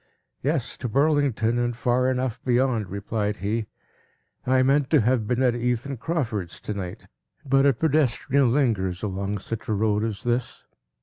"Yes; to Burlington, and far enough beyond," replied he. "I meant to have been at Ethan Crawford's to night; but a pedestrian lingers along such a road as this.